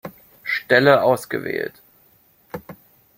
Stelle ausgewählt.